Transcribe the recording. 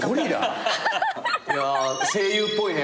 いや声優っぽいね。